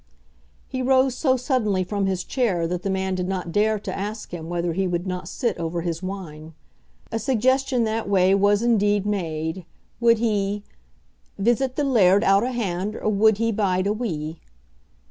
He rose so suddenly from his chair that the man did not dare to ask him whether he would not sit over his wine. A suggestion that way was indeed made, would he "visit the laird out o' hand, or would he bide awee?"